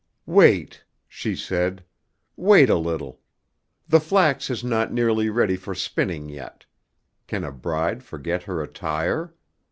"Wait," she said; "wait a little. The flax is not nearly ready for spinning yet; can a bride forget her attire?